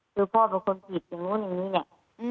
คือพ่อเป็นคนผิดอย่างนู้นอย่างนี้เนี่ย